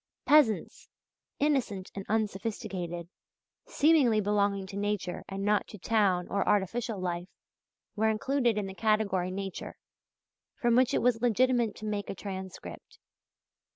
Peasants, "innocent" and "unsophisticated," seemingly belonging to nature and not to town or "artificial" life, were included in the category nature, from which it was legitimate to make a transcript.